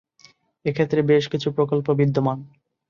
এক্ষেত্রে বেশ কিছু বিকল্প বিদ্যমান।